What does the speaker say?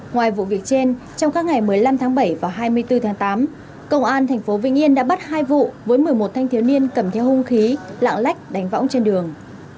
ngoài vụ việc trên trong các ngày một mươi năm tháng bảy và hai mươi bốn tháng tám công an tp vinh yên đã bắt hai vụ với một mươi một thanh thiếu niên cầm theo hung khí lạng lách đánh võng trên đường